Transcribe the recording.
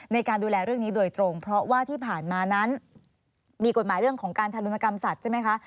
ในการดูแลเรื่องนี้โดยตรงเพราะว่าที่ผ่านมานั้นมีกฎหมายเรื่องของการทารุณกรรมสัตว์ใช่ไหมคะ